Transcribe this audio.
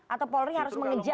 atau polri harus mengejar